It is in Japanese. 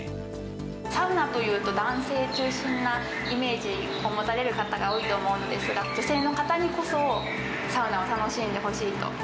サウナというと、男性中心なイメージを持たれる方が多いと思うんですが、女性の方にこそ、サウナを楽しんでほしいと。